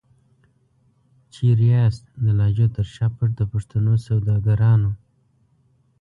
چيري یاست د لهجو تر شا پټ د پښتو سوداګرانو؟